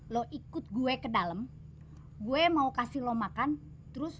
lo ikut gue ke dalam gue mau kasih lo makan terus